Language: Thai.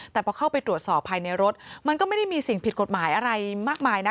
แต่พอเข้าไปตรวจสอบภายในรถมันก็ไม่ได้มีสิ่งผิดกฎหมายอะไรมากมายนะ